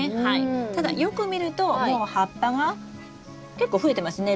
ただよく見るともう葉っぱが結構増えてますね。